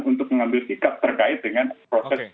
untuk mengambil sikap terkait dengan peradilan umum